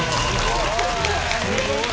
すごい！